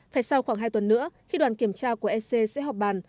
phải sau khoảng hai tuần nữa khi đoàn kiểm tra của ec sẽ họp bàn